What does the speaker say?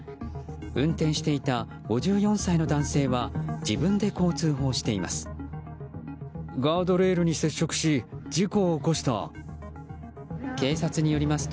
運転していた５４歳の男性は自分で、こう通報しています。